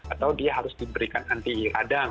atau dia harus diberikan anti radang